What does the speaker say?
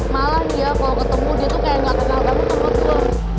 malah dia kalau ketemu dia tuh kayak gak kenal kamu temen temen